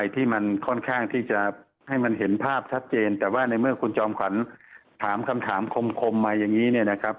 แต่ว่าในเมื่อคุณจอมขวัญถามคำถามคมมาอย่างนี้นะครับ